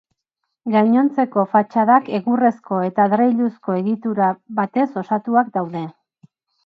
Gainontzeko fatxadak egurrezko eta adreiluzko egitura batez osatuak daude.